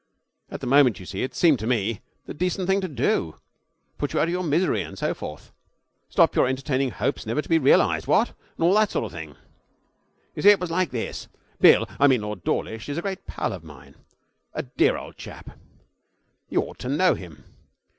At the moment, you see, it seemed to me the decent thing to do put you out of your misery, and so forth stop your entertaining hopes never to be realized, what? and all that sort of thing. You see, it was like this: Bill I mean Lord Dawlish is a great pal of mine, a dear old chap. You ought to know him.